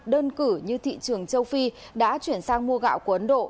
đơn cử như thị trường châu phi đã chuyển sang mua gạo của ấn độ